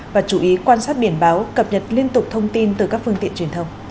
và chú ý quan sát biển báo cập nhật liên tục thông tin từ các phương tiện truyền thông